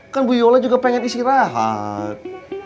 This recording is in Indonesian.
kan bu yola juga pengen isi rahat